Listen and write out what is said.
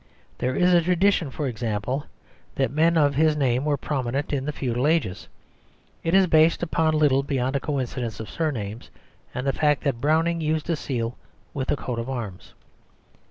There is a tradition, for example, that men of his name were prominent in the feudal ages; it is based upon little beyond a coincidence of surnames and the fact that Browning used a seal with a coat of arms.